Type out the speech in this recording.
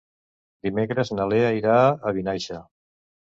Dimecres na Lea irà a Vinaixa.